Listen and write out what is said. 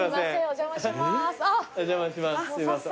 お邪魔します。